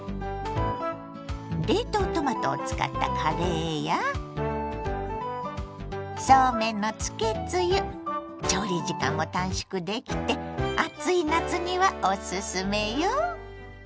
冷凍トマトを使ったカレーやそうめんのつけつゆ調理時間も短縮できて暑い夏にはおすすめよ。